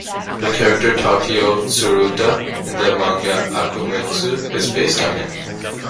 The character "Takeo Tsuruta" in the manga "Akumetsu" is based on him.